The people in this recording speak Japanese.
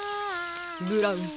ブラウン。